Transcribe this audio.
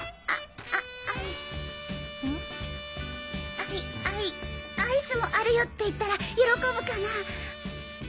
あいあいアイスもあるよっていったら喜ぶかなぁ？